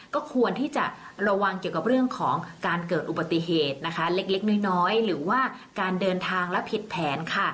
ก็ควรที่จะระวังเกี่ยวกับเรื่องของการเกิดอุบัติเหตุนะคะเล็กน้อยหรือว่าการเดินทางและผิดแผนค่ะ